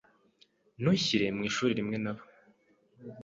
Ntunshyire mu ishuri rimwe nabo.